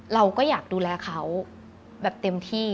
เราก็อยากดูแลเขาแบบเต็มที่